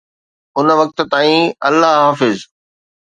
ان وقت تائين الله حافظ